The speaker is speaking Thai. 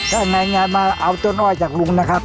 ถ้าอย่างไรมาเอาต้นอ้อยจากลุงนะครับ